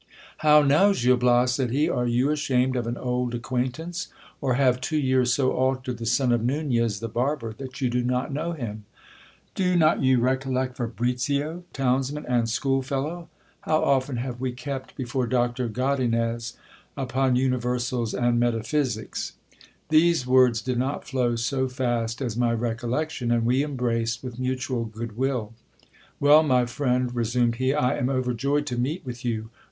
How now, Gil Bias, said he, are you ashamed of an old acquaintance ? or have two years so altered the son of Nunez the barber, that you do not know him ? Do not you recollect Fabricio, your townsman and schoolfellow ? How often have we kept, before Doctor Godinez, upon universals and metaphysics ! These words did not flow so fast as my recollection, and we embraced with mutual good will. * Well, my friend, resumed he, I am overjoyed to meet with you.